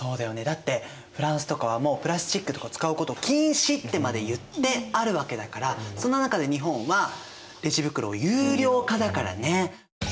だってフランスとかはもうプラスチックとか使うことを禁止ってまで言ってあるわけだからその中で日本はレジ袋を有料化だからね。